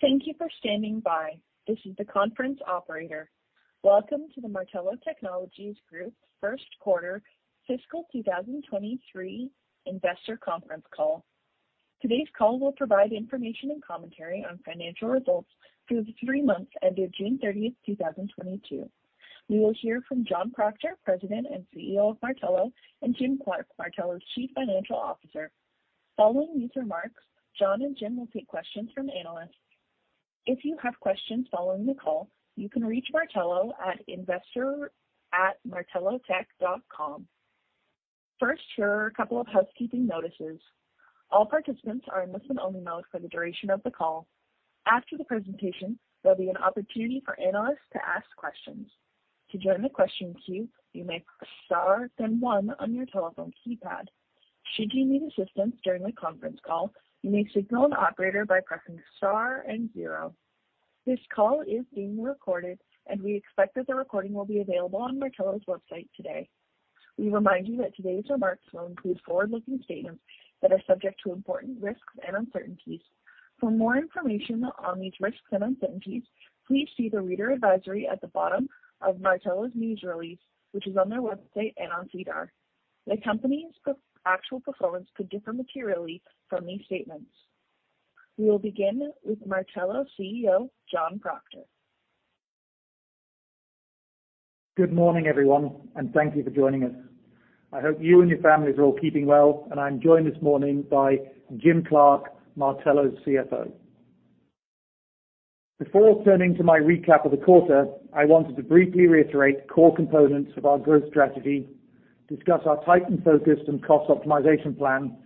Thank you for standing by. This is the conference operator. Welcome to the Martello Technologies Group first quarter fiscal 2023 investor conference call. Today's call will provide information and commentary on financial results for the three months ended June 30, 2022. We will hear from John Proctor, President and CEO of Martello, and Jim Clark, Martello's Chief Financial Officer. Following these remarks, John and Jim will take questions from analysts. If you have questions following the call, you can reach Martello at investor@martellotech.com. First, here are a couple of housekeeping notices. All participants are in listen-only mode for the duration of the call. After the presentation, there'll be an opportunity for analysts to ask questions. To join the question queue, you may press Star then One on your telephone keypad. Should you need assistance during the conference call, you may signal an operator by pressing Star and Zero. This call is being recorded, and we expect that the recording will be available on Martello's website today. We remind you that today's remarks will include forward-looking statements that are subject to important risks and uncertainties. For more information on these risks and uncertainties, please see the reader advisory at the bottom of Martello's news release, which is on their website and on SEDAR. The company's actual performance could differ materially from these statements. We will begin with Martello CEO, John Proctor. Good morning, everyone, and thank you for joining us. I hope you and your families are all keeping well, and I'm joined this morning by Jim Clark, Martello's CFO. Before turning to my recap of the quarter, I wanted to briefly reiterate core components of our growth strategy, discuss our tightened focus and cost optimization plan,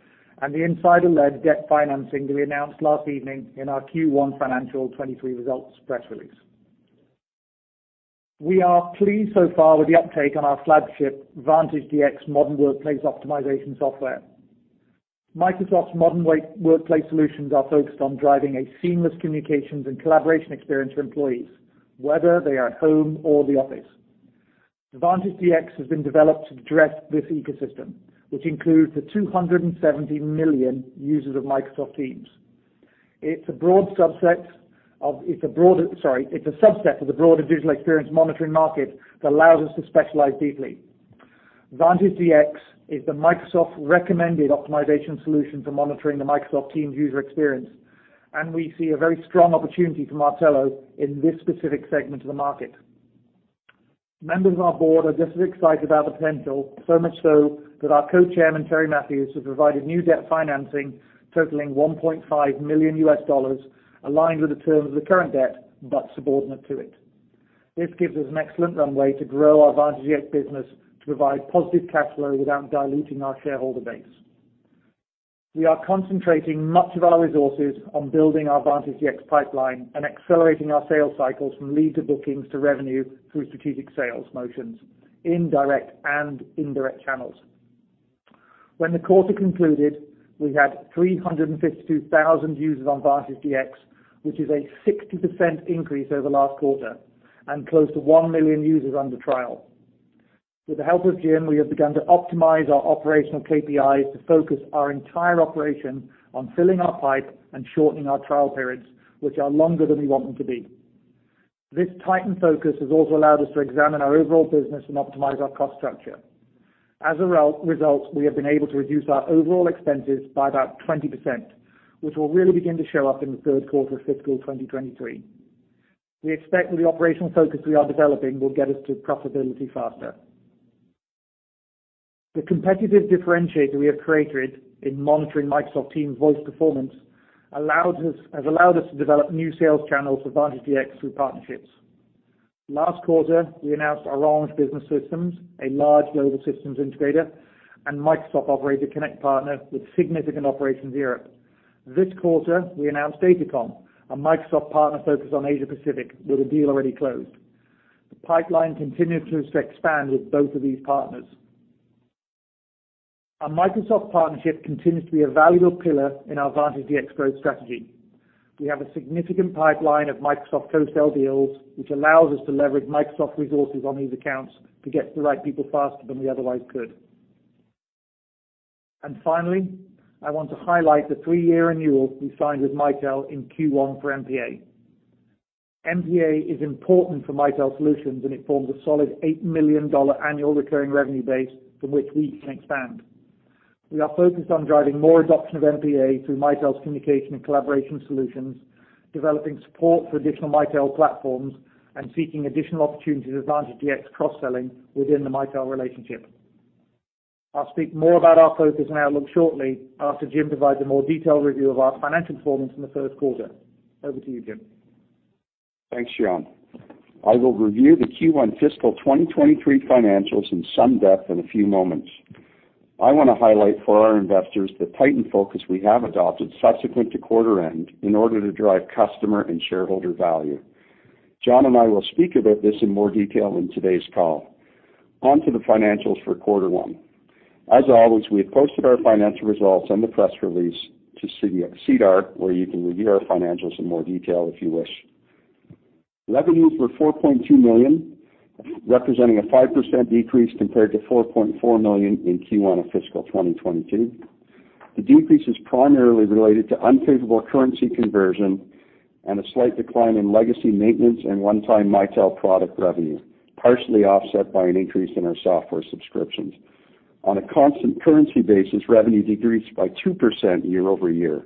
and the insider-led debt financing we announced last evening in our Q1 Financial 2023 results press release. We are pleased so far with the uptake on our flagship Vantage DX Modern Workplace optimization software. Microsoft's Modern Workplace solutions are focused on driving a seamless communications and collaboration experience for employees, whether they are at home or the office. Vantage DX has been developed to address this ecosystem, which includes the 270 million users of Microsoft Teams. It's a broader subset of. It's a subset of the broader digital experience monitoring market that allows us to specialize deeply. Vantage DX is the Microsoft-recommended optimization solution for monitoring the Microsoft Teams user experience, and we see a very strong opportunity for Martello in this specific segment of the market. Members of our board are just as excited about the potential, so much so that our Co-Chairman, Terry Matthews, has provided new debt financing totaling $1.5 million aligned with the terms of the current debt, but subordinate to it. This gives us an excellent runway to grow our Vantage DX business to provide positive cash flow without diluting our shareholder base. We are concentrating much of our resources on building our Vantage DX pipeline and accelerating our sales cycles from lead to bookings to revenue through strategic sales motions in direct and indirect channels. When the quarter concluded, we had 352,000 users on Vantage DX, which is a 60% increase over last quarter and close to 1 million users under trial. With the help of Jim, we have begun to optimize our operational KPIs to focus our entire operation on filling our pipe and shortening our trial periods, which are longer than we want them to be. This tightened focus has also allowed us to examine our overall business and optimize our cost structure. As a result, we have been able to reduce our overall expenses by about 20%, which will really begin to show up in the third quarter of fiscal 2023. We expect that the operational focus we are developing will get us to profitability faster. The competitive differentiator we have created in monitoring Microsoft Teams voice performance has allowed us to develop new sales channels for Vantage DX through partnerships. Last quarter, we announced Orange Business Services, a large global systems integrator, and Microsoft Operator Connect partner with significant operations in Europe. This quarter, we announced Datacom, a Microsoft partner focused on Asia Pacific, with a deal already closed. The pipeline continues to expand with both of these partners. Our Microsoft partnership continues to be a valuable pillar in our Vantage DX growth strategy. We have a significant pipeline of Microsoft co-sell deals, which allows us to leverage Microsoft resources on these accounts to get to the right people faster than we otherwise could. Finally, I want to highlight the three-year renewal we signed with Mitel in Q1 for MPA. MPA is important for Mitel solutions, and it forms a solid 8 million dollar annual recurring revenue base from which we can expand. We are focused on driving more adoption of MPA through Mitel's communication and collaboration solutions, developing support for additional Mitel platforms, and seeking additional opportunities with Vantage DX cross-selling within the Mitel relationship. I'll speak more about our focus and outlook shortly after Jim provides a more detailed review of our financial performance in the first quarter. Over to you, Jim. Thanks, John. I will review the Q1 fiscal 2023 financials in some depth in a few moments. I wanna highlight for our investors the tightened focus we have adopted subsequent to quarter end in order to drive customer and shareholder value. John and I will speak about this in more detail in today's call. Onto the financials for quarter one. As always, we have posted our financial results and the press release to SEDAR, where you can review our financials in more detail if you wish. Revenues were 4.2 million, representing a 5% decrease compared to 4.4 million in Q1 of fiscal 2022. The decrease is primarily related to unfavorable currency conversion and a slight decline in legacy maintenance and one-time Mitel product revenue, partially offset by an increase in our software subscriptions. On a constant currency basis, revenue decreased by 2% year-over-year.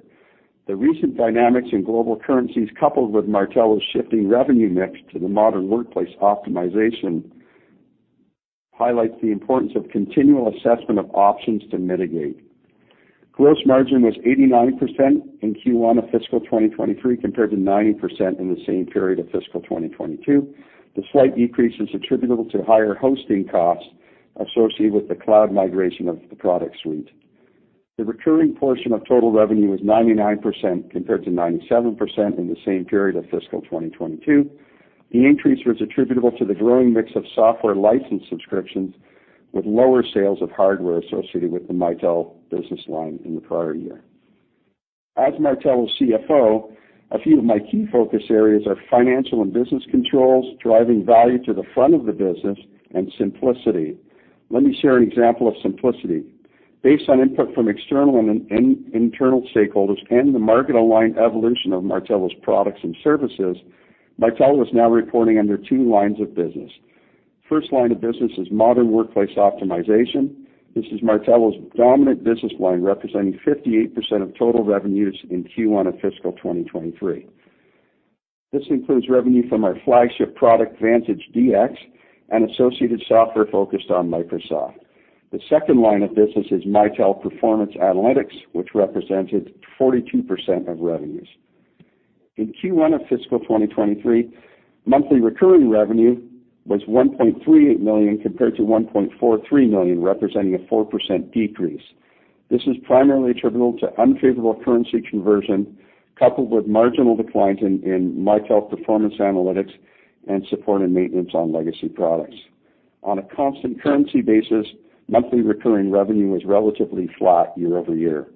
The recent dynamics in global currencies, coupled with Martello's shifting revenue mix to the modern workplace optimization, highlights the importance of continual assessment of options to mitigate. Gross margin was 89% in Q1 of fiscal 2023, compared to 90% in the same period of fiscal 2022. The slight decrease is attributable to higher hosting costs associated with the cloud migration of the product suite. The recurring portion of total revenue was 99%, compared to 97% in the same period of fiscal 2022. The increase was attributable to the growing mix of software license subscriptions with lower sales of hardware associated with the Mitel business line in the prior year. As Martello's CFO, a few of my key focus areas are financial and business controls, driving value to the front of the business, and simplicity. Let me share an example of simplicity. Based on input from external and internal stakeholders and the market-aligned evolution of Martello's products and services, Martello is now reporting under two lines of business. First line of business is modern workplace optimization. This is Martello's dominant business line, representing 58% of total revenues in Q1 of fiscal 2023. This includes revenue from our flagship product, Vantage DX, and associated software focused on Microsoft. The second line of business is Mitel Performance Analytics, which represented 42% of revenues. In Q1 of fiscal 2023, monthly recurring revenue was 1.38 million compared to 1.43 million, representing a 4% decrease. This is primarily attributable to unfavorable currency conversion, coupled with marginal declines in Mitel Performance Analytics and support and maintenance on legacy products. On a constant currency basis, monthly recurring revenue was relatively flat year-over-year.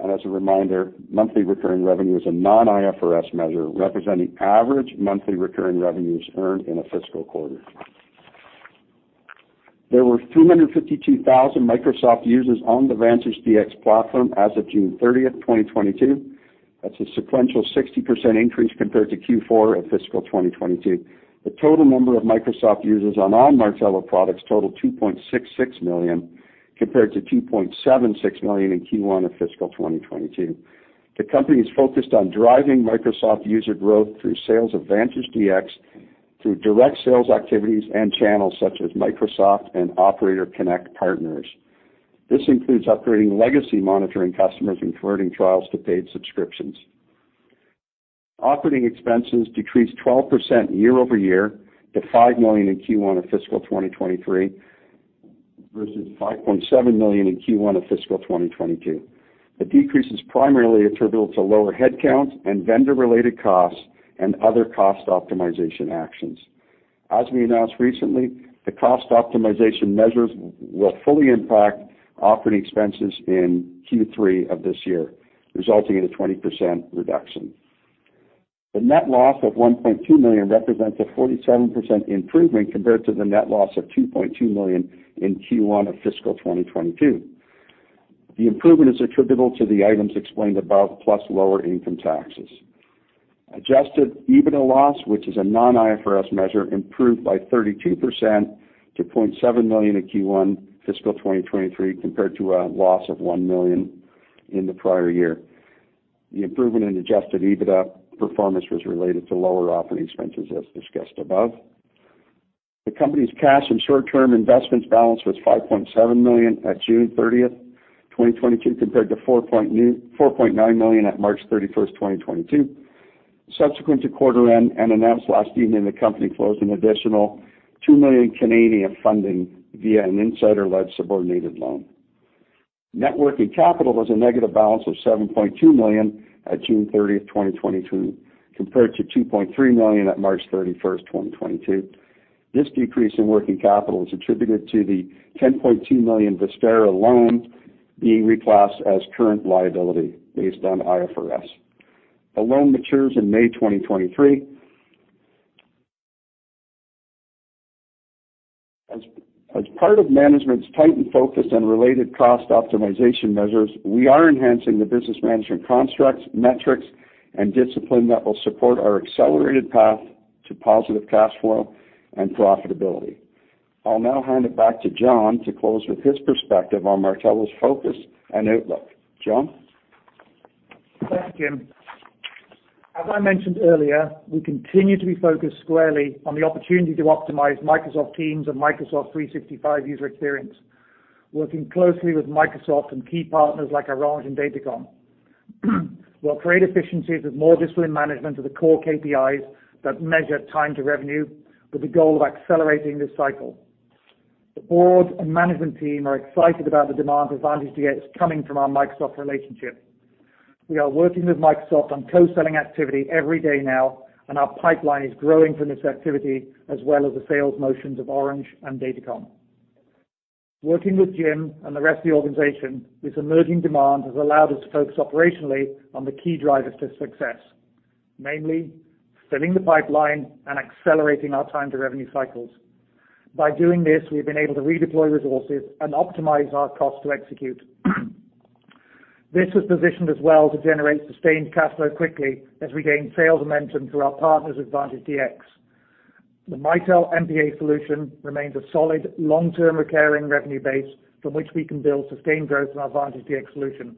As a reminder, monthly recurring revenue is a non-IFRS measure representing average monthly recurring revenues earned in a fiscal quarter. There were 252,000 Microsoft users on the Vantage DX platform as of June 30, 2022. That's a sequential 60% increase compared to Q4 of fiscal 2022. The total number of Microsoft users on all Martello products totaled 2.66 million, compared to 2.76 million in Q1 of fiscal 2022. The company is focused on driving Microsoft user growth through sales of Vantage DX through direct sales activities and channels such as Microsoft and Operator Connect partners. This includes upgrading legacy monitoring customers and converting trials to paid subscriptions. Operating expenses decreased 12% year-over-year to 5 million in Q1 of fiscal 2023, versus 5.7 million in Q1 of fiscal 2022. The decrease is primarily attributable to lower headcounts and vendor-related costs and other cost optimization actions. As we announced recently, the cost optimization measures will fully impact operating expenses in Q3 of this year, resulting in a 20% reduction. The net loss of 1.2 million represents a 47% improvement compared to the net loss of 2.2 million in Q1 of fiscal 2022. The improvement is attributable to the items explained above, plus lower income taxes. Adjusted EBITDA loss, which is a non-IFRS measure, improved by 32% to 0.7 million in Q1 fiscal 2023, compared to a loss of 1 million in the prior year. The improvement in adjusted EBITDA performance was related to lower operating expenses, as discussed above. The company's cash and short-term investments balance was 5.7 million at June 30, 2022, compared to 4.9 million at March 31, 2022. Subsequent to quarter end and announced last evening, the company closed an additional 2 million funding via an insider-led subordinated loan. Net working capital was a negative balance of 7.2 million at June thirtieth, 2022, compared to 2.3 million at March thirty-first, 2022. This decrease in working capital is attributed to the 10.2 million Vistara loan being reclassed as current liability based on IFRS. The loan matures in May 2023. As part of management's tightened focus on related cost optimization measures, we are enhancing the business management constructs, metrics, and discipline that will support our accelerated path to positive cash flow and profitability. I'll now hand it back to John to close with his perspective on Martello's focus and outlook. John. Thanks, Jim. As I mentioned earlier, we continue to be focused squarely on the opportunity to optimize Microsoft Teams and Microsoft 365 user experience, working closely with Microsoft and key partners like Orange and Datacom. We'll create efficiencies with more disciplined management of the core KPIs that measure time to revenue with the goal of accelerating this cycle. The board and management team are excited about the demand for Vantage DX coming from our Microsoft relationship. We are working with Microsoft on co-selling activity every day now, and our pipeline is growing from this activity, as well as the sales motions of Orange and Datacom. Working with Jim and the rest of the organization, this emerging demand has allowed us to focus operationally on the key drivers to success, mainly filling the pipeline and accelerating our time to revenue cycles. By doing this, we've been able to redeploy resources and optimize our cost to execute. This was positioned as well to generate sustained cash flow quickly as we gain sales momentum through our partners Vantage DX. The Mitel MPA solution remains a solid long-term recurring revenue base from which we can build sustained growth in our Vantage DX solution.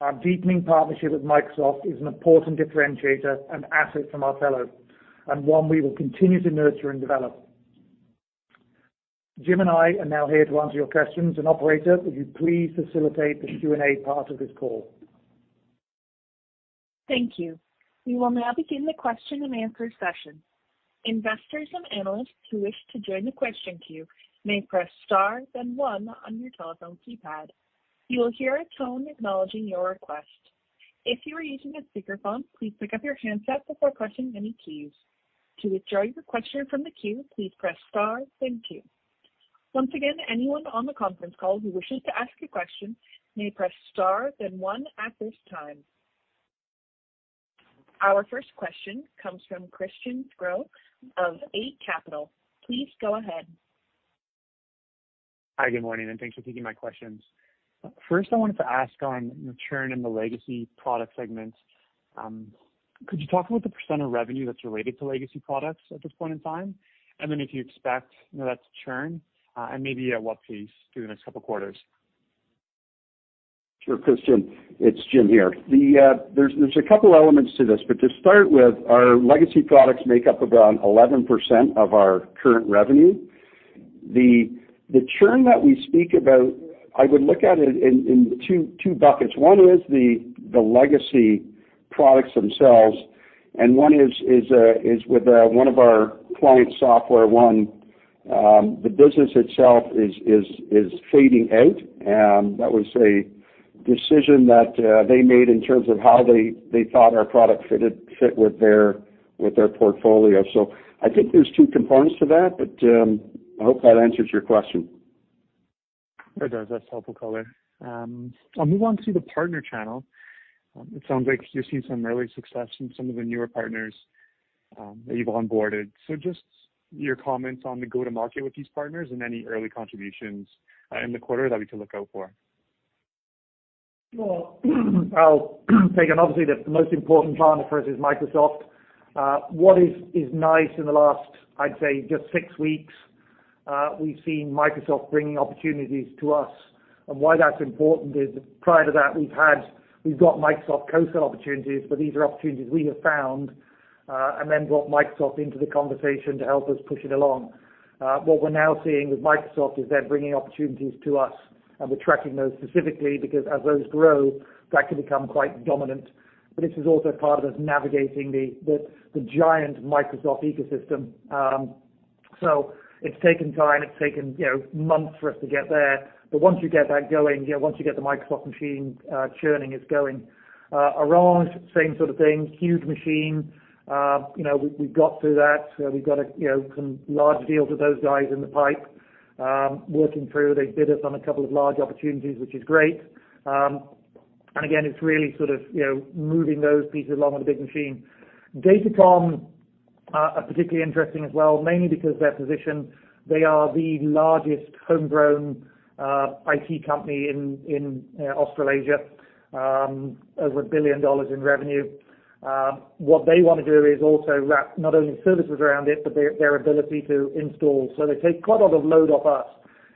Our deepening partnership with Microsoft is an important differentiator and asset from Martello, and one we will continue to nurture and develop. Jim and I are now here to answer your questions, and operator, if you'd please facilitate the Q&A part of this call. Thank you. We will now begin the question and answer session. Investors and analysts who wish to join the question queue may press star then one on your telephone keypad. You will hear a tone acknowledging your request. If you are using a speakerphone, please pick up your handset before pressing any keys. To withdraw your question from the queue, please press star then two. Once again, anyone on the conference call who wishes to ask a question may press star then one at this time. Our first question comes from Christian Sgro of Eight Capital. Please go ahead. Hi, good morning, and thanks for taking my questions. First, I wanted to ask on the churn in the legacy product segments. Could you talk about the percent of revenue that's related to legacy products at this point in time? If you expect, you know, that to churn, and maybe at what pace through the next couple of quarters? Sure, Christian, it's Jim here. There's a couple elements to this, but to start with, our legacy products make up around 11% of our current revenue. The churn that we speak about, I would look at it in two buckets. One is the legacy products themselves, and one is with one of our clients, SoftwareOne, the business itself is fading out, that was a decision that they made in terms of how they thought our product fit with their portfolio. I think there's two components to that, but I hope that answers your question. It does. That's helpful color. I'll move on to the partner channel. It sounds like you're seeing some early success from some of the newer partners that you've onboarded. Just your comments on the go-to-market with these partners and any early contributions in the quarter that we can look out for. Well, I'll take, and obviously the most important partner for us is Microsoft. What is nice in the last, I'd say just six weeks, we've seen Microsoft bringing opportunities to us. Why that's important is prior to that, we've got Microsoft co-sell opportunities, but these are opportunities we have found, and then brought Microsoft into the conversation to help us push it along. What we're now seeing with Microsoft is they're bringing opportunities to us, and we're tracking those specifically because as those grow, that could become quite dominant. This is also part of us navigating the giant Microsoft ecosystem. It's taken time, you know, months for us to get there. Once you get that going, you know, once you get the Microsoft machine churning, it's going. Orange, same sort of thing, huge machine. You know, we've got through that. You know, we've got some large deals with those guys in the pipe, working through. They bid us on a couple of large opportunities, which is great. Again, it's really sort of, you know, moving those pieces along on the big machine. Datacom are particularly interesting as well, mainly because their position, they are the largest homegrown IT company in Australasia, over $1 billion in revenue. What they wanna do is also wrap not only services around it, but their ability to install. So they take quite a lot of load off us.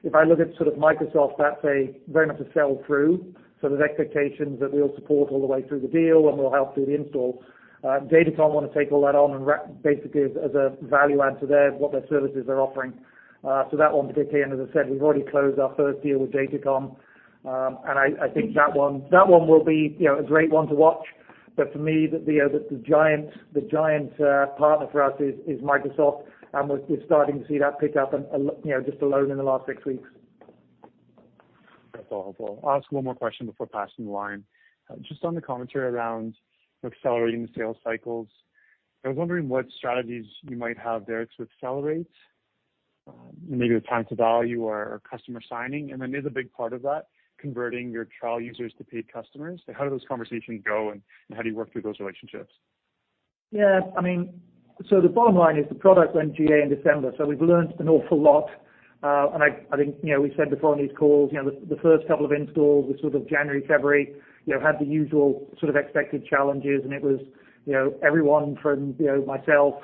If I look at sort of Microsoft, that's very much a sell through. There's expectations that we'll support all the way through the deal and we'll help do the install. Datacom wanna take all that on and wrap basically as a value add to their, what their services are offering. That one particularly, and as I said, we've already closed our first deal with Datacom. I think that one will be, you know, a great one to watch. For me, the giant partner for us is Microsoft, and we're just starting to see that pick up and, you know, just alone in the last six weeks. That's all helpful. I'll ask one more question before passing the line. Just on the commentary around accelerating the sales cycles, I was wondering what strategies you might have there to accelerate, maybe the time to value or customer signing, and then is a big part of that converting your trial users to paid customers? How do those conversations go and how do you work through those relationships? Yeah. I mean, the bottom line is the product went GA in December, so we've learned an awful lot. I think, you know, we said before on these calls, you know, the first couple of installs were sort of January, February, you know, had the usual sort of expected challenges, and it was, you know, everyone from, you know, myself,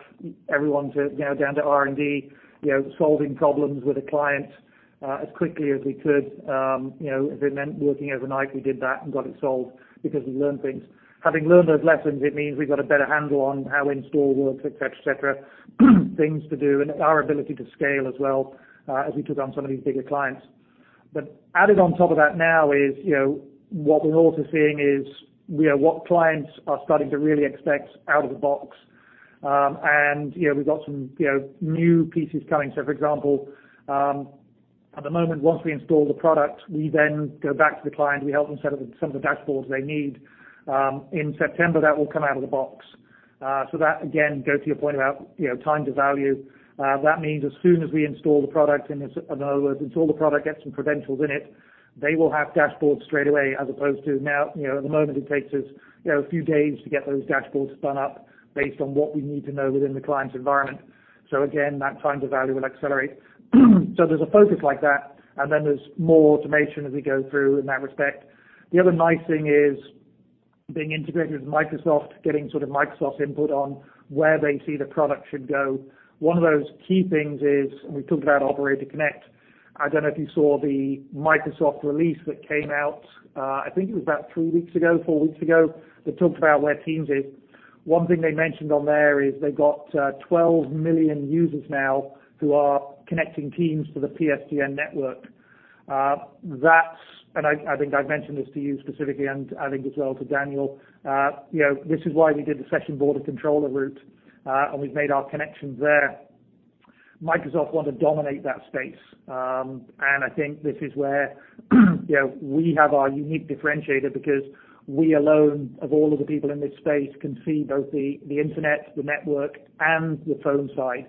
everyone to, you know, down to R&D, you know, solving problems with a client as quickly as we could. You know, if it meant working overnight, we did that and got it solved because we learned things. Having learned those lessons, it means we've got a better handle on how install works, et cetera, et cetera, things to do and our ability to scale as well as we took on some of these bigger clients. Added on top of that now is, you know, what we're also seeing is, you know, what clients are starting to really expect out of the box. You know, we've got some, you know, new pieces coming. For example, at the moment, once we install the product, we then go back to the client, we help them set up some of the dashboards they need. In September, that will come out of the box. That again goes to your point about, you know, time to value. That means as soon as we install the product, in other words, install the product, get some credentials in it, they will have dashboards straightaway, as opposed to now, you know, at the moment it takes us, you know, a few days to get those dashboards spun up based on what we need to know within the client's environment. Again, that time to value will accelerate. There's a focus like that, and then there's more automation as we go through in that respect. The other nice thing is being integrated with Microsoft, getting sort of Microsoft's input on where they see the product should go. One of those key things is, and we talked about Operator Connect. I don't know if you saw the Microsoft release that came out, I think it was about three weeks ago, four weeks ago, that talked about where Teams is. One thing they mentioned on there is they've got 12 million users now who are connecting Teams to the PSTN network. That's and I think I've mentioned this to you specifically and I think as well to Daniel, you know, this is why we did the session border controller route, and we've made our connections there. Microsoft want to dominate that space, and I think this is where, you know, we have our unique differentiator because we alone of all of the people in this space can see both the internet, the network, and the phone side.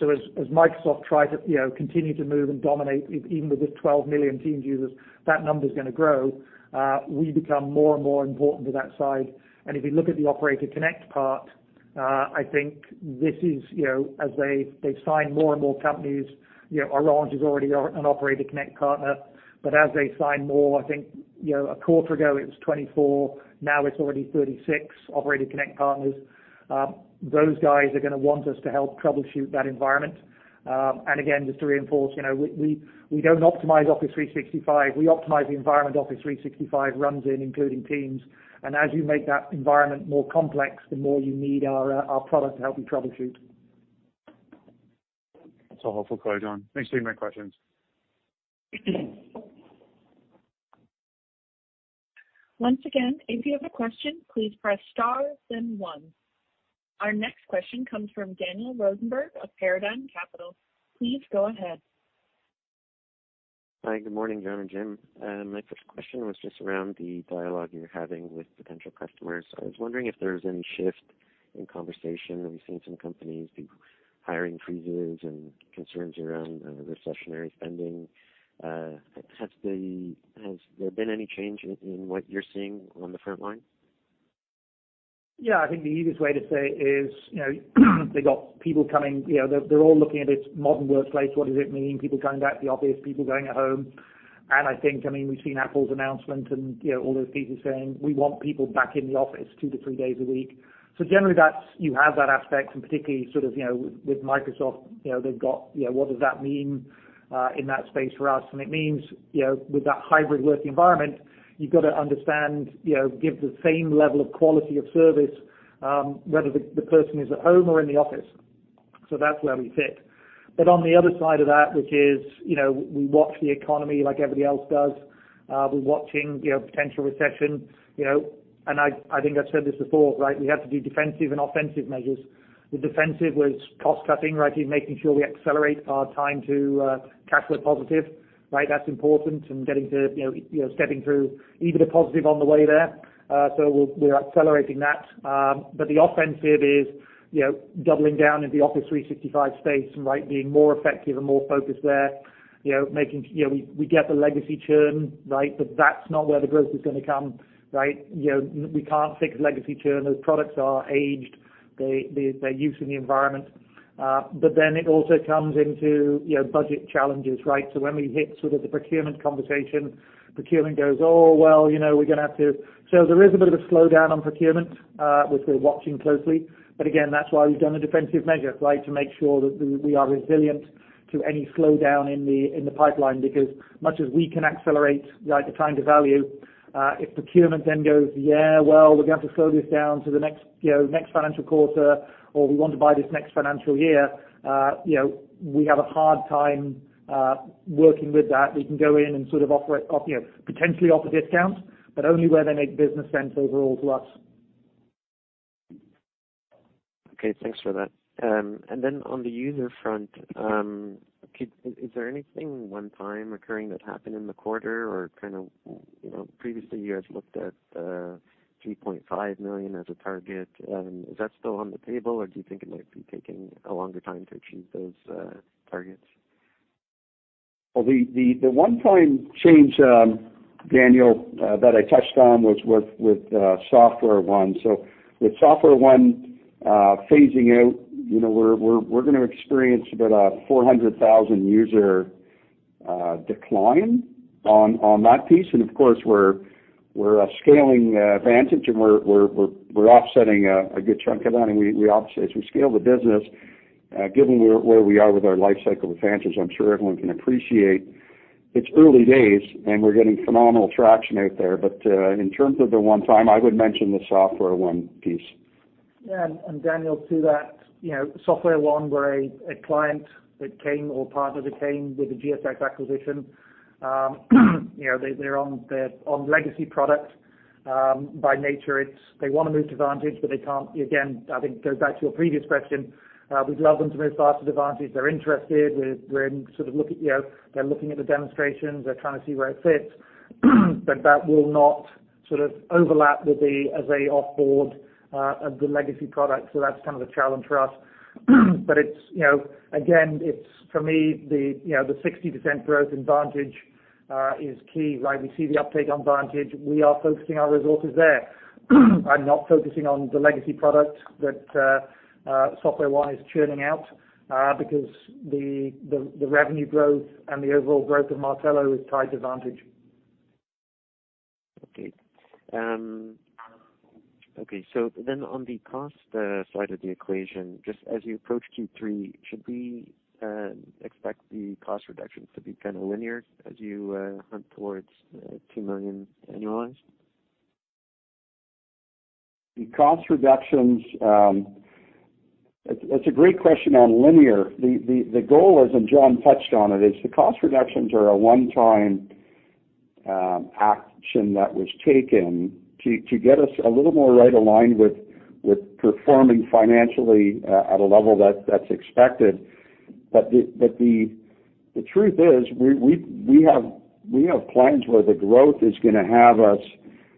As Microsoft tries to, you know, continue to move and dominate even with this 12 million Teams users, that number's gonna grow, we become more and more important to that side. If you look at the Operator Connect part, I think this is, you know, as they've signed more and more companies, you know, Orange is already a Operator Connect partner. As they sign more, I think, you know, a quarter ago it was 24, now it's already 36 Operator Connect partners, those guys are gonna want us to help troubleshoot that environment. Again, just to reinforce, you know, we don't optimize Office 365, we optimize the environment Office 365 runs in including Teams. As you make that environment more complex, the more you need our product to help you troubleshoot. That's all for now, John. Thanks for taking my questions. Once again, if you have a question, please press star then one. Our next question comes from Daniel Rosenberg of Paradigm Capital. Please go ahead. Hi, good morning, John and Jim. My first question was just around the dialogue you're having with potential customers. I was wondering if there's any shift in conversation. We've seen some companies do hiring freezes and concerns around recessionary spending. Has there been any change in what you're seeing on the front line? Yeah. I think the easiest way to say is, you know, they've got people coming, you know, they're all looking at this modern workplace, what does it mean? People going back to the office, people going at home. I think, I mean, we've seen Apple's announcement and, you know, all those people saying, "We want people back in the office 2-3 days a week." Generally that's, you have that aspect and particularly sort of, you know, with Microsoft, you know, they've got, you know, what does that mean in that space for us? It means, you know, with that hybrid work environment, you've gotta understand, you know, give the same level of quality of service, whether the person is at home or in the office. That's where we fit. On the other side of that which is, you know, we watch the economy like everybody else does. We're watching, you know, potential recession, you know. I think I've said this before, right? We have to do defensive and offensive measures. The defensive was cost cutting, right? It's making sure we accelerate our time to cash flow positive, right? That's important and getting to, you know, stepping through EBITDA positive on the way there. We're accelerating that. But the offensive is, you know, doubling down in the Office 365 space, right? Being more effective and more focused there. You know, making you know, we get the legacy churn, right? But that's not where the growth is gonna come, right? You know, we can't fix legacy churn. Those products are aged. They're used in the environment. It also comes into, you know, budget challenges, right? When we hit sort of the procurement conversation, procurement goes, "Oh, well, you know, we're gonna have to..." There is a bit of a slowdown on procurement, which we're watching closely. Again, that's why we've done the defensive measures, right? To make sure that we are resilient to any slowdown in the pipeline because much as we can accelerate, right, the time to value, if procurement then goes, "Yeah, well, we're gonna have to slow this down to the next, you know, next financial quarter, or we want to buy this next financial year," you know, we have a hard time working with that. We can go in and sort of offer, you know, potentially offer discounts, but only where they make business sense overall to us. Okay, thanks for that. On the user front, is there anything one-time occurring that happened in the quarter or kind of, you know, previously you guys looked at 3.5 million as a target. Is that still on the table, or do you think it might be taking a longer time to achieve those targets? Well, the one time change, Daniel, that I touched on was with SoftwareOne. With SoftwareOne phasing out, you know, we're gonna experience about a 400,000 user decline on that piece. Of course, we're scaling Vantage and we're offsetting a good chunk of that. We obviously, as we scale the business, given where we are with our life cycle with Vantage, I'm sure everyone can appreciate it's early days and we're getting phenomenal traction out there. But in terms of the one time, I would mention the SoftwareOne piece. Yeah. Daniel, to that, you know, SoftwareOne were a client or partner that came with the GSX acquisition. You know, they're on the legacy product. By nature it's they wanna move to Vantage, but they can't. Again, I think it goes back to your previous question. We'd love them to move faster to Vantage. They're interested. You know, they're looking at the demonstrations. They're trying to see where it fits. That will not sort of overlap with the AVEVA off board of the legacy product. That's kind of the challenge for us. You know, again, it's for me, the 60% growth in Vantage is key, right? We see the uptake on Vantage. We are focusing our resources there. I'm not focusing on the legacy product that SoftwareOne is churning out, because the revenue growth and the overall growth of Martello is tied to Vantage. On the cost side of the equation, just as you approach Q3, should we expect the cost reductions to be kind of linear as you hunt towards 2 million annualized? The cost reductions, it's a great question on linear. The goal, as John touched on it, is the cost reductions are a one-time action that was taken to get us a little more right aligned with performing financially at a level that's expected. The truth is, we have plans where the growth is gonna have us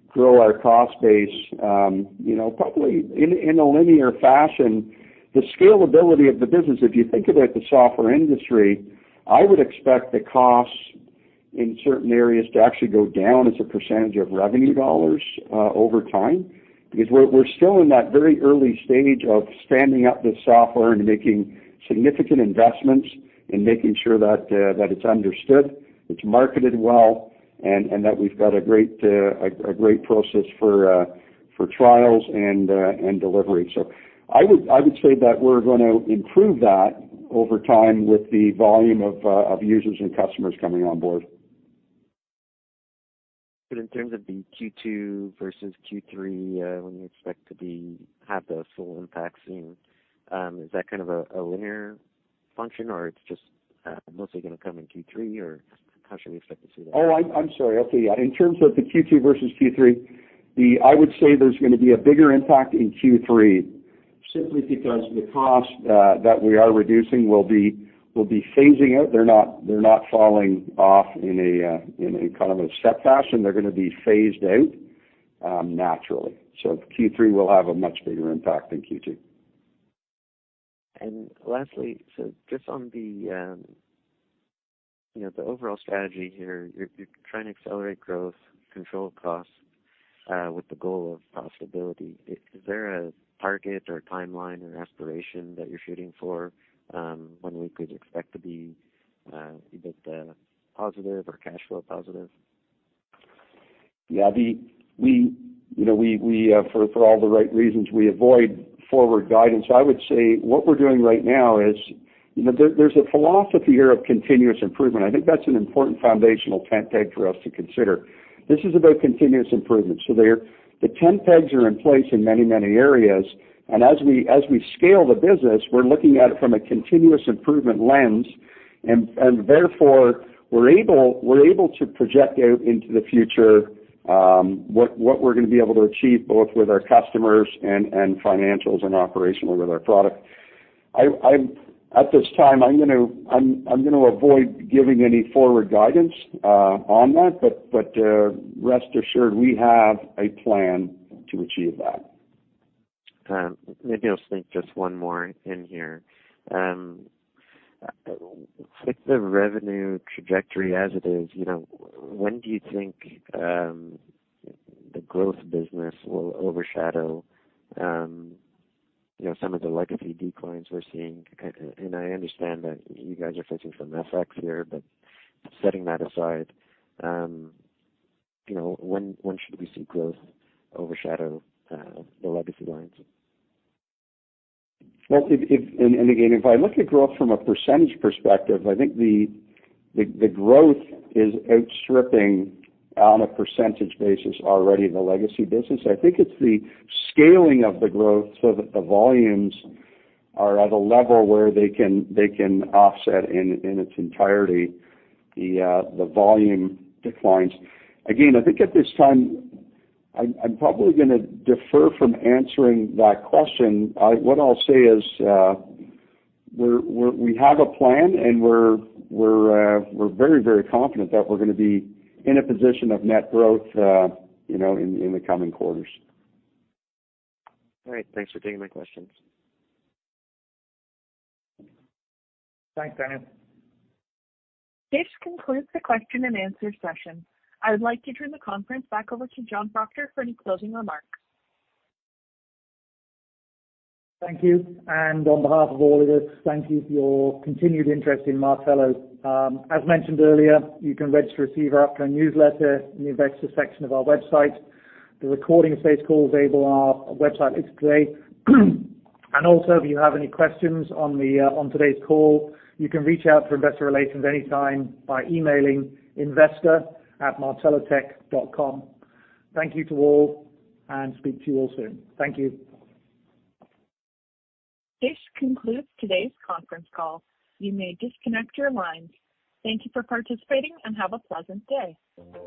grow our cost base, you know, probably in a linear fashion. The scalability of the business, if you think about the software industry, I would expect the costs in certain areas to actually go down as a percentage of revenue dollars, over time, because we're still in that very early stage of standing up the software and making significant investments and making sure that it's understood, it's marketed well, and that we've got a great, a great process for trials and delivery. I would say that we're gonna improve that over time with the volume of users and customers coming on board. In terms of the Q2 versus Q3, when you expect to have the full impact seen, is that kind of a linear function or it's just mostly gonna come in Q3 or how should we expect to see that? I'm sorry. I'll tell you. In terms of the Q2 versus Q3, I would say there's gonna be a bigger impact in Q3 simply because the cost that we are reducing will be phasing out. They're not falling off in a kind of a step fashion. They're gonna be phased out naturally. Q3 will have a much bigger impact than Q2. Lastly, just on the, you know, the overall strategy here, you're trying to accelerate growth, control costs, with the goal of profitability. Is there a target or timeline or aspiration that you're shooting for, when we could expect to be a bit positive or cash flow positive? Yeah, you know, for all the right reasons, we avoid forward guidance. I would say what we're doing right now is, you know, there's a philosophy here of continuous improvement. I think that's an important foundational tent peg for us to consider. This is about continuous improvement. The tent pegs are in place in many areas. As we scale the business, we're looking at it from a continuous improvement lens. Therefore, we're able to project out into the future, what we're gonna be able to achieve both with our customers and financials and operational with our product. At this time, I'm gonna avoid giving any forward guidance on that. Rest assured we have a plan to achieve that. Maybe I'll sneak just one more in here. With the revenue trajectory as it is, you know, when do you think the growth business will overshadow, you know, some of the legacy declines we're seeing? I understand that you guys are facing some effects here, but setting that aside, you know, when should we see growth overshadow the legacy lines? If I look at growth from a percentage perspective, I think the growth is outstripping on a percentage basis already in the legacy business. I think it's the scaling of the growth so that the volumes are at a level where they can offset in its entirety the volume declines. Again, I think at this time, I'm probably gonna defer from answering that question. What I'll say is, we have a plan and we're very confident that we're gonna be in a position of net growth, you know, in the coming quarters. All right. Thanks for taking my questions. Thanks, Daniel. This concludes the question and answer session. I would like to turn the conference back over to John Proctor for any closing remarks. Thank you. On behalf of all of us, thank you for your continued interest in Martello. As mentioned earlier, you can register to receive our upcoming newsletter in the investor section of our website. The recording of today's call is available on our website later today. Also, if you have any questions on today's call, you can reach out to investor relations anytime by emailing investor@martellotech.com. Thank you to all and speak to you all soon. Thank you. This concludes today's conference call. You may disconnect your lines. Thank you for participating and have a pleasant day.